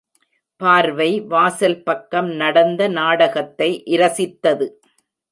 பார்வை வாசல் பக்கம் நடந்த நாடகத்தை இரசித்தது.